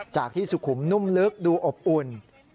จากที่สุขุมนุ่มลึกดูอบอุ่น